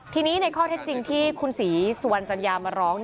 ทีนี้ในข้อเท็จจริงที่คุณศรีสุวรรณจัญญามาร้อง